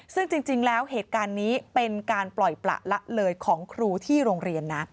ซึ่งจริงแล้วเหตุการณ์นี้เป็นการปล่อยประละเลยของครูที่โรงเรียนนะ